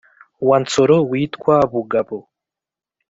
wa nsoro witwa bugabo;